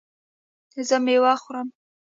زه میوه خورم